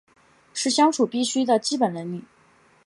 是相处必须的基本能力